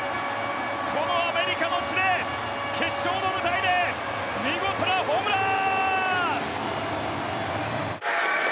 このアメリカの地で決勝の舞台で見事なホームラン。